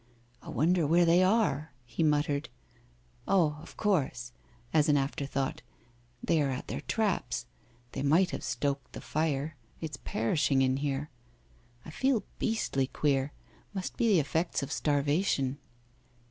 "I wonder where they are?" he muttered. "Ah! of course," as an afterthought, "they are out at their traps. They might have stoked the fire. It's perishing in here. I feel beastly queer; must be the effects of starvation."